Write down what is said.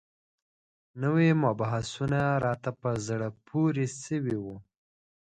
نوي مبحثونه راته په زړه پورې شوي وو.